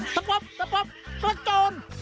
ตะปบประโจน